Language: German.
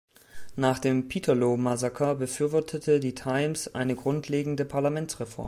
Nach dem „Peterloo-Massaker“ befürwortete die "Times" eine grundlegende Parlamentsreform.